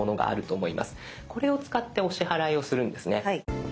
これを使ってお支払いをするんですね。